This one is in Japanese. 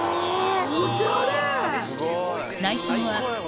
おしゃれ！